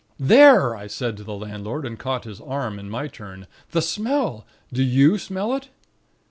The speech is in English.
"'There!' I said to the landlord, and caught his arm, in my turn. 'The Smell! Do you smell it?'